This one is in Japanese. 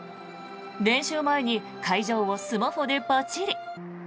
練習前に会場をスマホでパチリ。